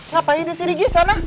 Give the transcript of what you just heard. ngapain disini disana